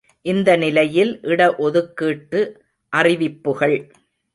இந்த நிலையில் இட ஒதுக்கீட்டு அறிவிப்புகள்!